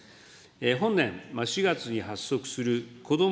本年４月に発足するこども